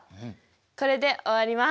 これで終わります。